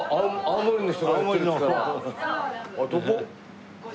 どこ？